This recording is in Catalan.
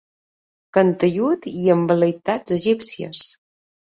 Cantellut i amb vel·leïtats egípcies.